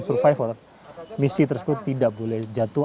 survivor misi tersebut tidak boleh jatuh